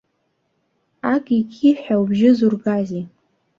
Акикиҳәа убжьы зургазеи?